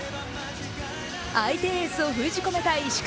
相手エースを封じ込めた石川。